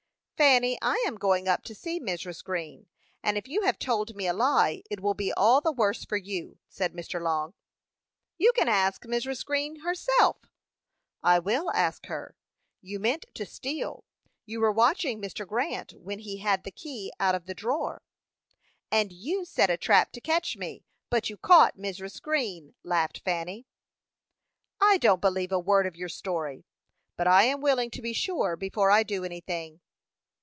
"Fanny, I am going up to see Mrs. Green, and if you have told me a lie, it will be all the worse for you," said Mr. Long. "You can ask Mrs. Green herself." "I will ask her. You meant to steal: you were seen watching Mr. Grant when he had the key of the drawer." "And you set a trap to catch me; but you caught Mrs. Green!" laughed Fanny. "I don't believe a word of your story; but I am willing to be sure before I do anything."